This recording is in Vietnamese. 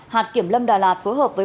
hạt kiểm lâm tp đà lạt phối hợp với